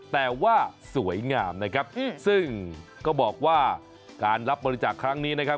แต่ว่าสวยงามนะครับซึ่งก็บอกว่าการรับบริจาคครั้งนี้นะครับ